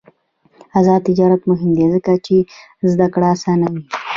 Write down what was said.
آزاد تجارت مهم دی ځکه چې زدکړه اسانوي.